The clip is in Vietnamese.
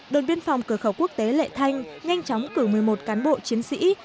đồn biên phòng cửa khẩu quốc tế lệ thanh nhanh chóng cử một mươi một cán bộ chiến sĩ